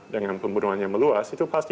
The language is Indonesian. dengan pembunuhannya meluas itu pasti